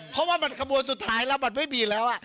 เพราะว่ามันขบวนสุดท้ายแล้วมันไม่มีแล้ว